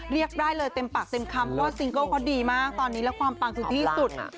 เรียกได้เลยเต็มปากเต็มคำเพราะว่าซิงเกิลเขาดีมากตอนนี้และความปังคือที่สุด